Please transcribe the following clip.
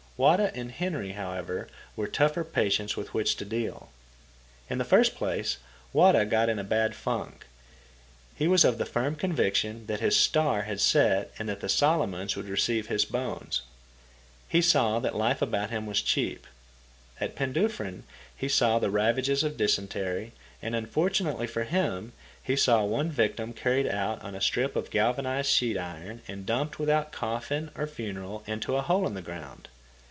Wada and Henry, however, were tougher patients with which to deal. In the first place, Wada got in a bad funk. He was of the firm conviction that his star had set and that the Solomons would receive his bones. He saw that life about him was cheap. At Penduffryn he saw the ravages of dysentery, and, unfortunately for him, he saw one victim carried out on a strip of galvanized sheet iron and dumped without coffin or funeral into a hole in the ground.